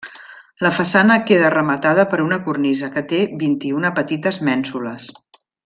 La façana queda rematada per una cornisa, que té vint-i-una petites mènsules.